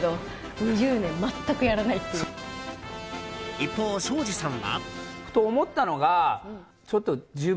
一方、庄司さんは。